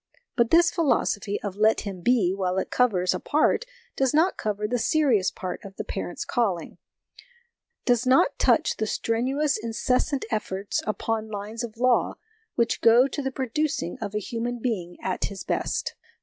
But this philosophy of ' let him be/ while it covers a part, does not cover the serious part of the parents' calling ; does not touch the strenuous incessant efforts upon lines of law which go to the producing of a human being at his best.